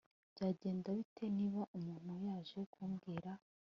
Byagenda bite niba umuntu yaje kumbwira